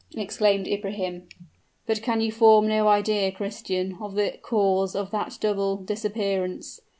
exclaimed Ibrahim. "But can you form no idea, Christian, of the cause of that double disappearance?